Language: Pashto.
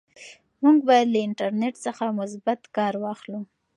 موږ باید له انټرنیټ څخه مثبت کار واخلو.